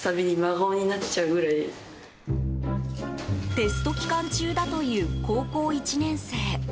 テスト期間中だという高校１年生。